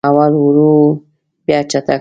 اول ورو و بیا چټک سو